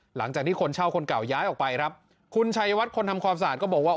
หลังจากที่คนเช่าคนเก่าย้ายออกไปครับคุณชัยวัดคนทำความสะอาดก็บอกว่า